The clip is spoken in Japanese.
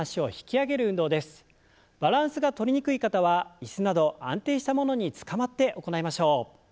バランスがとりにくい方は椅子など安定したものにつかまって行いましょう。